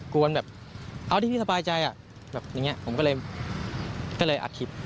วนแบบเอาที่พี่สบายใจอ่ะแบบอย่างนี้ผมก็เลยอัดคลิป